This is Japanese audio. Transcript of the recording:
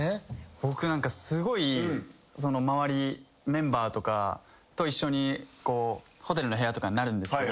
僕すごいメンバーとかと一緒にホテルの部屋とかなるんですけど。